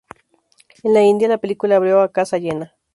En la India, la película abrió a casa llena.